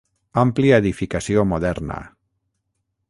Àmplia edificació moderna.